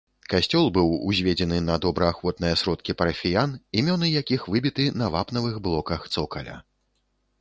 Касцёл быў узведзены на добраахвотныя сродкі парафіян, імёны якіх выбіты на вапнавых блоках цокаля.